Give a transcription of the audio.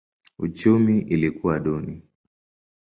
Uchumi ilikuwa duni.